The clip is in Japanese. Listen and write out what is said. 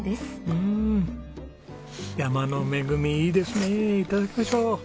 うん山の恵みいいですね頂きましょう！